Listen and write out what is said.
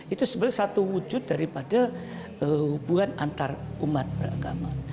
itu sebenarnya satu wujud daripada hubungan antarumat beragama